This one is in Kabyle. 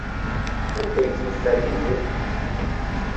Anda ay t-yeffer Yidir?